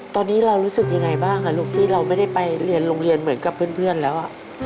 ตอนนี้เรารู้สึกยังไงบ้างลูกที่เราไม่ได้ไปเรียนโรงเรียนเหมือนกับเพื่อนแล้ว